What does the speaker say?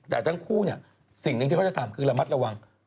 แต่ทั้งคู่เนี่ยสิ่งหนึ่งที่เขาจะทำคือระมัดระวัง